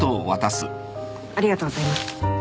ありがとうございます。